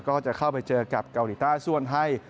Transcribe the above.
ก็จะเข้าไปเจอกับเกาหลีใต้ส่วนไทย